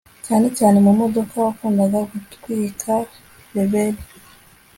cyane cyane mumodoka, wakundaga gutwika reberi